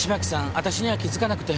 私には気づかなくて。